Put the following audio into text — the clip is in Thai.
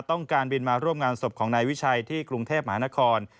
ต้องการบินมาร่วมงานศพของนายวิชัยที่กรุงเทพมหานคร